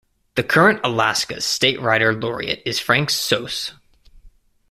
The current Alaska's State Writer Laureate is Frank Soos.